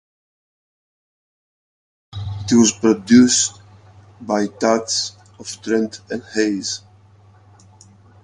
It was produced by Touch of Trent and Haze.